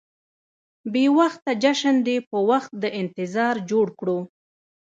بې وخته جشن دې په وخت د انتظار جوړ کړو.